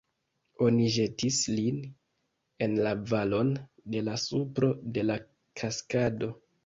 Oni ĵetis lin en la valon, de la supro de la kaskado.